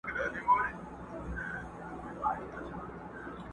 ما چي هلمند ته ترانې لیکلې٫